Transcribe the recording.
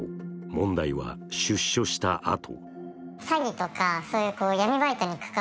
問題は、出所したあと。